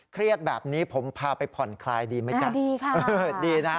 เครียดแบบนี้ผมพาไปผ่อนคลายดีไหมจ๊ะดีค่ะเออดีนะ